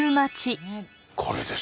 これです。